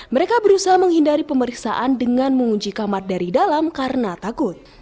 mereka berusaha menghindari pemeriksaan dengan mengunci kamar dari dalam karena takut